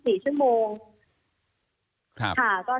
สถานการณ์ก็ยังเป็นประมาณนี้ก็ไม่ได้แตกต่างจากทุกวันค่ะ